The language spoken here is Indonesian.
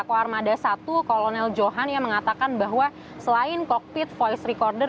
ko armada satu kolonel johan yang mengatakan bahwa selain kokpit voice recorder